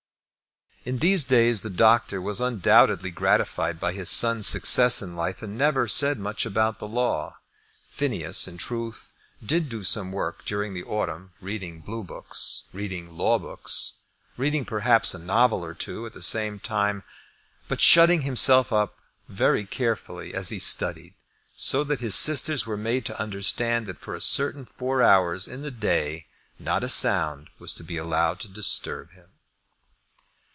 In these days the doctor was undoubtedly gratified by his son's success in life, and never said much about the law. Phineas in truth did do some work during the autumn, reading blue books, reading law books, reading perhaps a novel or two at the same time, but shutting himself up very carefully as he studied, so that his sisters were made to understand that for a certain four hours in the day not a sound was to be allowed to disturb him.